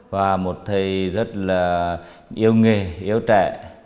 và một thầy rất là yêu nghề yêu trẻ